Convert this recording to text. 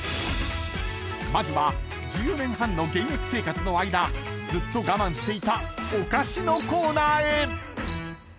［まずは１４年半の現役生活の間ずっと我慢していたお菓子のコーナーへ］